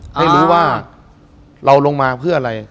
ให้รู้ว่าเราลงมาเพื่ออะไร